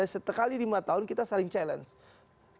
setekali lima tahun kita saling challenge